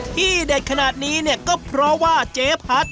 เด็ดขนาดนี้เนี่ยก็เพราะว่าเจ๊พัด